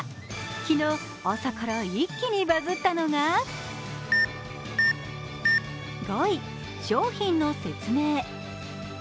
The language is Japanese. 昨日、朝から一気にバズったのが５位、商品の説明。